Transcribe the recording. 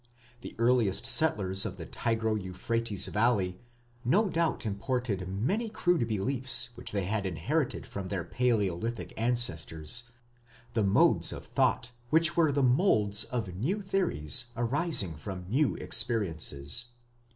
The earliest settlers in the Tigro Euphrates valley no doubt imported many crude beliefs which they had inherited from their Palaeolithic ancestors the modes of thought which were the moulds of new theories arising from new experiences.